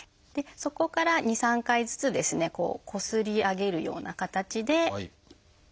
そこから２３回ずつですねこすり上げるような形でこすっていきます。